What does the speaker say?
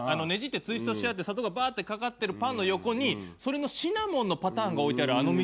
ねじってツイストしてあって砂糖がばーって掛かってるパンの横にそれのシナモンのパターン置いてある。